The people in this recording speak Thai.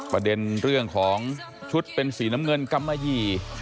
ประเด็นเรื่องของชุดเป็นสีน้ำเงินกำมะหยี่